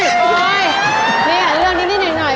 เนี่ยเรื่องนี้หน่อย